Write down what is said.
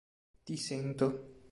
Ti sento